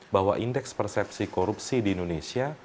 bahwa indeks persepsi korupsi di indonesia